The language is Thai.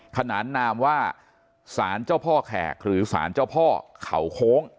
ขนานนามว่าสารเจ้าพ่อแขกหรือสารเจ้าพ่อเขาโค้ง